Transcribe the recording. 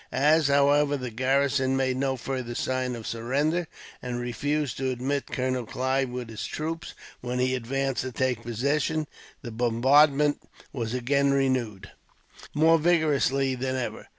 As, however, the garrison made no further sign of surrender, and refused to admit Colonel Clive with his troops, when he advanced to take possession, the bombardment was again renewed, more vigorously than ever.